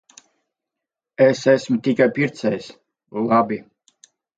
Es esmu tikai pircējs. Labi.